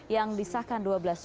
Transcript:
yang disahkan dua belas